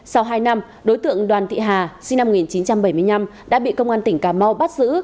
sau hai năm đối tượng đoàn thị hà sinh năm một nghìn chín trăm bảy mươi năm đã bị công an tỉnh cà mau bắt giữ